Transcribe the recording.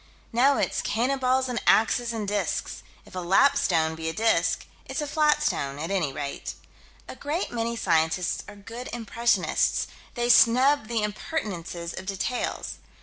Now it's cannon balls and axes and disks if a "lapstone" be a disk it's a flat stone, at any rate. A great many scientists are good impressionists: they snub the impertinences of details.